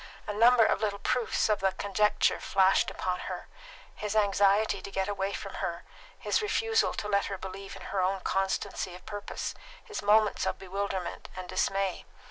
A number of little proofs of the conjecture flashed upon her: his anxiety to get away from her, his refusal to let her believe in her own constancy of purpose, his moments of bewilderment and dismay.